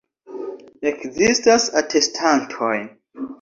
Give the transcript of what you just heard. Ekzistas atestantoj.